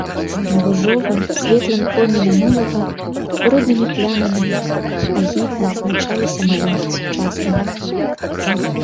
На ружовым, светлым фоне мінулага бруднымі плямамі агідна адзначаліся малюнкі сучаснага.